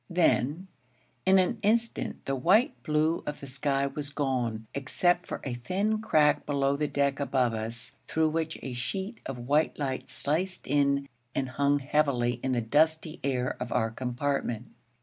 Then, in an instant, the white blue of the sky was gone, except for a thin crack below the deck above us, through which a sheet of white light sliced in and hung heavily in the dusty air of our compartment.